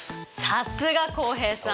さすが浩平さん。